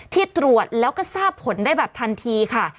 ที่ตรวจแล้วก็ทราบผลได้แบบทันทีค่ะ